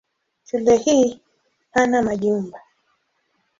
Shule hii hana majumba.